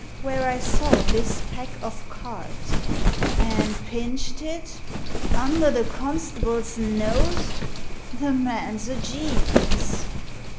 "Where I saw this pack of cards." "And pinched it? Under the constable's nose. The man's a genius."